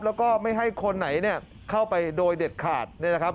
แล้วก็ไม่ให้คนไหนเนี่ยเข้าไปโดยเด็ดขาดเนี่ยนะครับ